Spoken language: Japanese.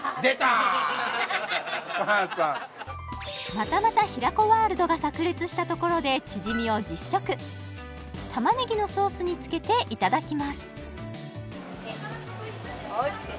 またまた平子ワールドが炸裂したところでチヂミを実食玉ねぎのソースにつけていただきます